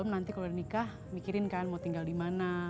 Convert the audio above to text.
nanti kalau udah nikah mikirin kan mau tinggal di mana